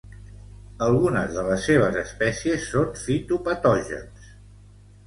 Algunes de les seves espècies són fitopatògens.